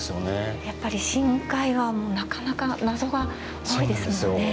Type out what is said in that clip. やっぱり深海はなかなか謎が多いですもんね。